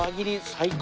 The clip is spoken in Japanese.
最高！